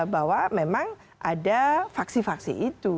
bahwa memang ada faksi faksi itu